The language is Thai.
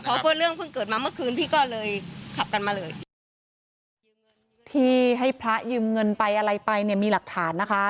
เพราะว่าเรื่องเพิ่งเกิดมาเมื่อคืนพี่ก็เลยขับกันมาเลยยืมที่ให้พระยืมเงินไปอะไรไปเนี่ยมีหลักฐานนะคะ